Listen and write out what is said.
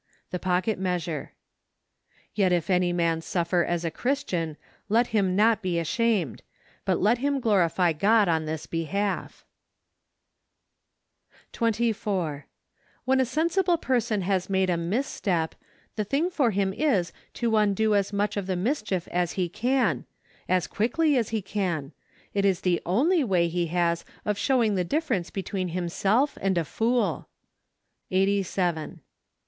The Pocket Measure. " Yet if any man suffer as a Christian, let him not be ashamed; but let him glorify God on this behalf APRIL. 47 24. When a sensible person has made a misstep, the thing for him is to undo as much of the mischief as he can ; as quickly as he can; it is the only way he has of showing the difference between himself and a fool. Eighty Seven.